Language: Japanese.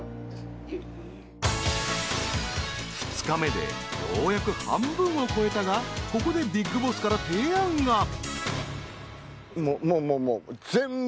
［２日目でようやく半分を超えたがここでビッグボスから提案が］